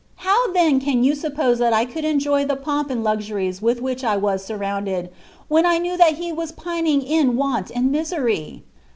Bo» then ran you suppose that 1 could enjoy llie pomp and luiurip« •ith which 1 was surrounded, when I knew tlint he was pining in warn 111 mwcry